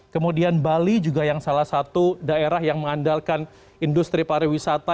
kemudian bali juga yang salah satu daerah yang mengandalkan industri pariwisata